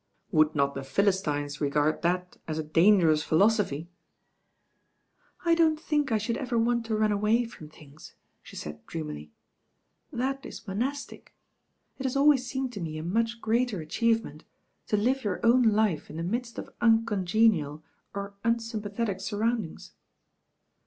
"Would not the Philistines regard that as a dan gers ? philosophy?" '■ don't think I should ever want to run away from things," she said dreamily; "that is monastic. It has always seemed to me a much greater achieve ment to live your own life in the midst of uncon genial or unsympathetic surroundings."